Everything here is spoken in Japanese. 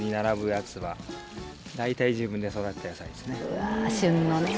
うわ旬のね。